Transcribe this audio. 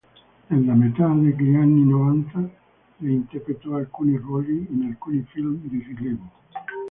Nella metà degli anni novanta, Lee interpretò alcuni ruoli in alcuni film di rilievo.